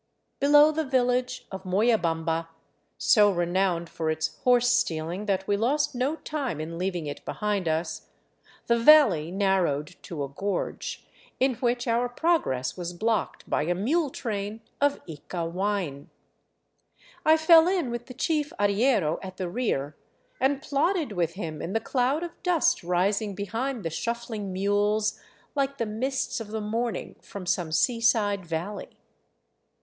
Below the village of Moyabamba, so renowned for its horse stealing that we lost no time in leaving it behind us, the valley narrowed to a gorge, in which our 400 THE ROUTE OF THE CONQUISTADORES progress was blocked by a mule train of lea wine. I fell in with the chief arriero at the rear, and plodded with him in the cloud of dust rising behind the shuffling mules like the mists of the morning from some seaside valley.